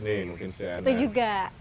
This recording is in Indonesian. nih mungkin cns itu juga